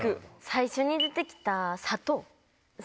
最初に出てきた。